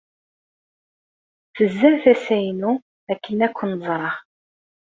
Tezza tasa-inu akken ad ken-ẓreɣ.